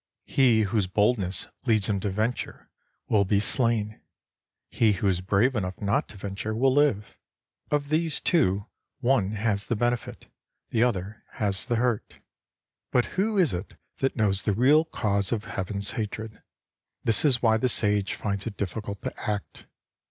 He whose boldness leads him to venture, will be slain ; he who is brave enough not to venture, will live. Of these two, one has the benefit, the other has the hurt. But who is it that knows the real cause of Heaven's hatred ? This is why the Sage finds it difficult to act.